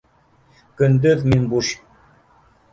— Көндөҙ мин буш